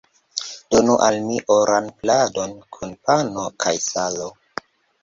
Donu al mi oran pladon kun pano kaj salo!